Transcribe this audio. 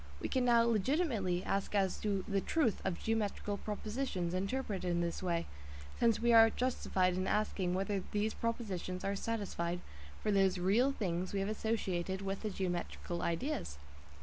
We can now legitimately ask as to the "truth" of geometrical propositions interpreted in this way, since we are justified in asking whether these propositions are satisfied for those real things we have associated with the geometrical ideas.